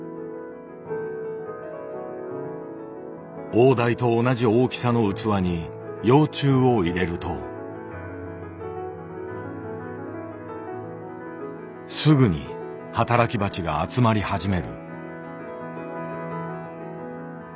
王台と同じ大きさの器に幼虫を入れるとすぐに働き蜂が集まり始める。